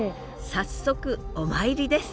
早速お参りです！